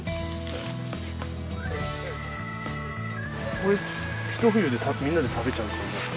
これひと冬でみんなで食べちゃう感じなんですか？